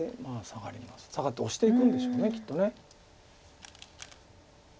サガってオシていくんでしょうきっと。